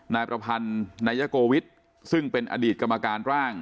นายประพันธ์นายโกวิทย์ซึ่งเป็นอดีตกรรมการร่าง